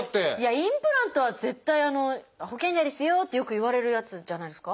インプラントは絶対「保険外ですよ」ってよく言われるやつじゃないですか？